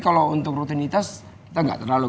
kalau untuk rutinitas kita nggak terlalu